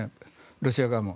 ロシア側も。